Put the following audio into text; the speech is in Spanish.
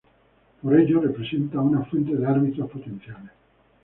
Por ello representan una fuente de árbitros potenciales.